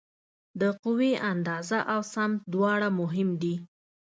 د قوې اندازه او سمت دواړه مهم دي.